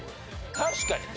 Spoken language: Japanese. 確かにね。